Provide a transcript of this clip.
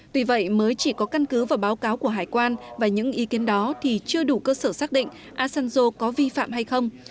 tuy vậy mới chỉ có căn cứ vào báo cáo của hải quan và những ý kiến đó thì chưa đủ cơ sở xác định asanjo có vi phạm hay không